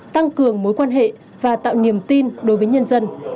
tăng cường mối quan hệ và tạo niềm tin đối với nhân dân